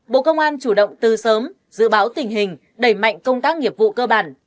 bộ công an chủ động tư sớm dự báo tình hình đẩy mạnh công tác nghiệp vụ cơ bản